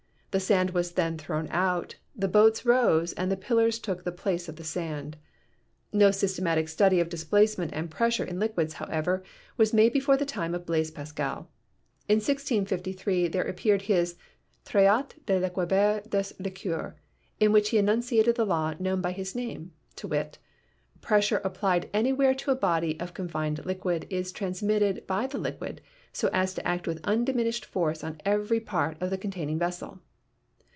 The sand was then thrown out, the boats rose and the pillars took the place of the sand. No systematic study of displacement and pressure in liquids, however, was made before the time of Blaise Pascal. In 1653 there appeared his "Traite de l'equilibre des Liqueurs," in which he enunciated the law known by his name — to wit: Pressure applied anywhere to a body of confined liquid is transmitted by the liquid so as to act with undiminished force on every part of the containing vessel.